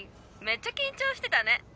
めっちゃ緊張してたね。